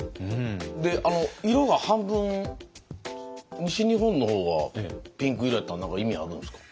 で色が半分西日本の方はピンク色やったんは何か意味あるんすか？